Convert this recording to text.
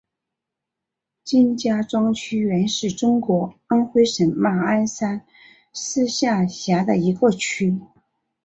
金家庄区原是中国安徽省马鞍山市下辖的一个区。